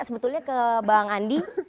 sebetulnya ke bang andi